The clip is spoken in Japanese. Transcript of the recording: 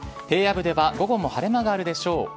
平野部では午後も晴れ間があるでしょう。